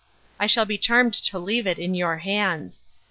I shall be charmed to leave it in your hands.